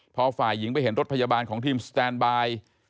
พอฝ่ายหญิงไปเห็นรถพยาบาลของทีมสแตนบาย